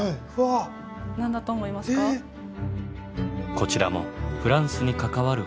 こちらもフランスに関わる本。